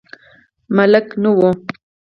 ملک نه و.